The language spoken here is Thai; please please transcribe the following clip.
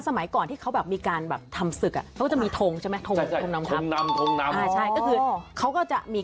สมัยก่อนที่เขามีการทำศึกเขาก็จะมีทงใช่ไหม